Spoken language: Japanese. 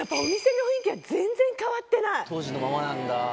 当時のままなんだ。